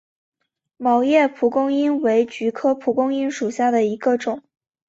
毛叶蒲公英为菊科蒲公英属下的一个种。